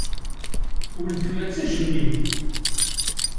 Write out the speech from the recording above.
Uletma d tajenniwt!